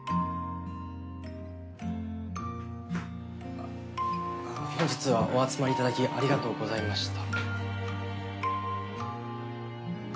あ本日はお集まり頂きありがとうございました。